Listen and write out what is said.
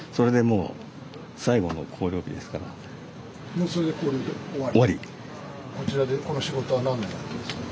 もうそれで校了で終わり？